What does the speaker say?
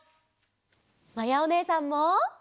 まやおねえさんも。